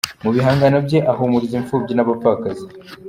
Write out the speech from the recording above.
Mu bihangano bye ahumuriza imfubyi n'abapfakazi.